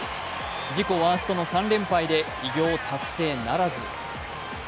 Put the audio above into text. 自己ワーストの３連敗で偉業達成ならず。